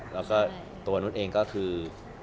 แล้วก็ตัวนุษย์เองก็คือ